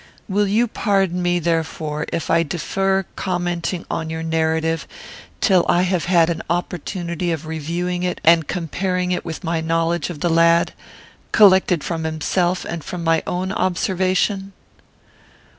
Will you pardon me, therefore, if I defer commenting on your narrative till I have had an opportunity of reviewing it and comparing it with my knowledge of the lad, collected from himself and from my own observation?"